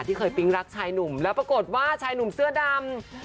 ที่เคยปิ๊งรักชายหนุ่มแล้วปรากฏว่าชายหนุ่มเสื้อดำ